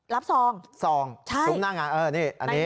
รับซองสองซุ้มหน้างานนี่อันนี้